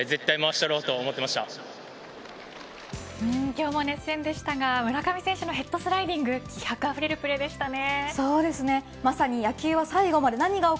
今日も熱戦でしたが村上選手のヘッドスライディング気迫あふれるプレーでしたね。